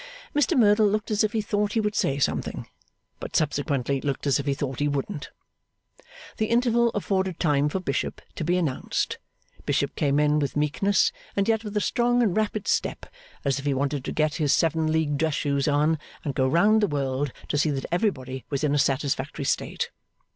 Mr Merdle looked as if he thought he would say something, but subsequently looked as if he thought he wouldn't. The interval afforded time for Bishop to be announced. Bishop came in with meekness, and yet with a strong and rapid step as if he wanted to get his seven league dress shoes on, and go round the world to see that everybody was in a satisfactory state.